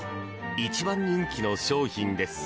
一番人気の商品です。